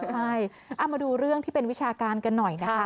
ใช่เอามาดูเรื่องที่เป็นวิชาการกันหน่อยนะคะ